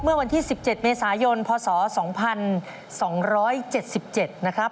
เมื่อวันที่๑๗เมษายนพศ๒๒๗๗นะครับ